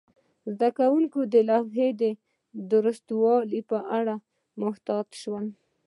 زده کوونکي د لوحو د درستوالي په اړه محتاط شول.